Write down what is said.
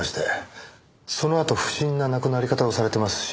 そのあと不審な亡くなり方をされてますし。